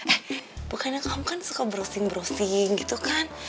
eh bukannya kamu kan suka browsing browsing gitu kan